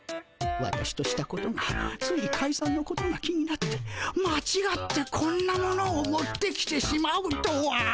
私としたことがついかいさんのことが気になってまちがってこんなものを持ってきてしまうとは。